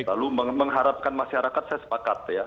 lalu mengharapkan masyarakat saya sepakat ya